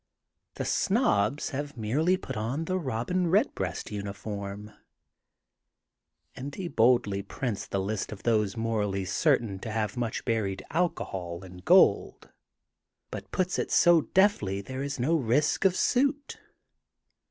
'' The Snobs have merely put on the Robin Redbreast nnif orm. And he boldly prints the list of those morally certain to have mnch buried alcohol and gold but puts it so deftly there is no risk of suit.